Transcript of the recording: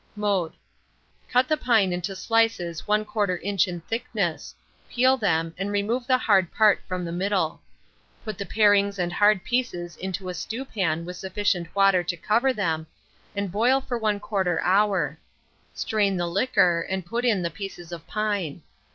Mode. Cut the pine into slices 1/4 inch in thickness; peel them, and remove the hard part from the middle. Put the parings and hard pieces into a stewpan with sufficient water to cover them, and boil for 1/4 hour. Strain the liquor, and put in the slices of pine.